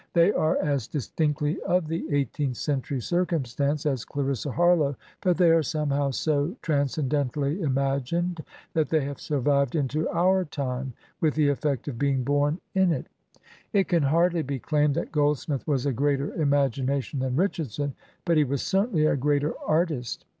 They are as distinctly of the eighteenth century circumstance as Clarissa Harlowe, but they are somehow so transcen dently imagined that they have survived into our time with the effect of being bom in it. It can hardly be claimed that Goldsmith was a greater imagination than Richardson; but he was certainly a greater artist.